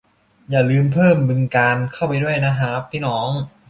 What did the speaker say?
อย่าลืมเพิ่ม บึงกาฬ เข้าไปด้วยนะฮ้าบพี่น้อง